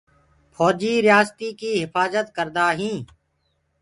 ڦوجي ريآستي ڪيٚ هڦآجد ڪردآ هينٚ۔